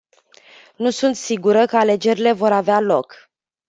Nu sunt sigură că alegerile vor avea loc.